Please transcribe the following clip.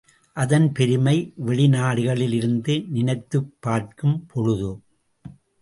அதன் பெருமை வெளிநாடுகளில் இருந்து நினைத்துப் பார்க்கும் பொழுது.